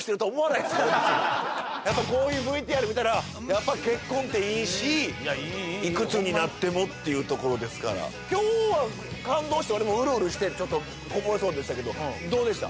やっぱりこういうＶＴＲ見たら結婚っていいしいくつになってもっていうところですから今日は感動して我々もうるうるしてちょっとこぼれそうでしたけどどうでした？